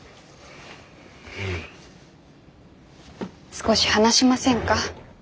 少し話しませんか？